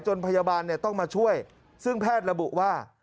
พยาบาลต้องมาช่วยซึ่งแพทย์ระบุว่า